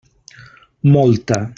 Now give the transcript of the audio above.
Molta.